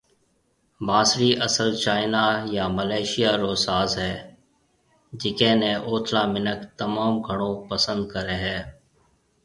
بانسري اصل چائينا يا ملائيشيا رو ساز ھيَََ جڪي ني اوٿلا منک تموم گھڻو پسند ڪري ھيَََ